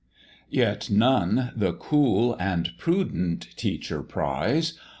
Yet none the cool and prudent Teacher prize.